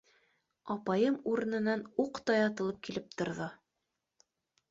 Апайым урынынан уҡтай атылып килеп торҙо.